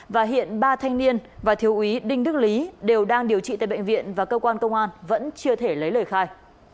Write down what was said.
và hiện ba thanh niên và thiếu úy đinh đức lý đều đang điều trị tại bệnh viện và cơ quan công an vẫn chưa thể lấy lời khai